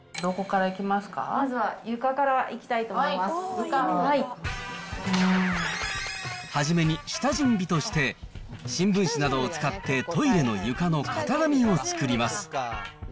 まずは床からいきたいと思い初めに下準備として、新聞紙などを使って、トイレの床の型紙を作ります。